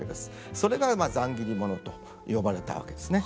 それが散切物と呼ばれたわけですね。